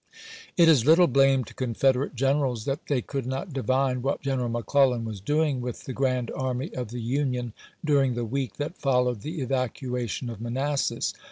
It is little blame to Confederate generals that they could not divine what General McClellan was doing with the grand army of the Union during the week that followed the evacuation of Manassas.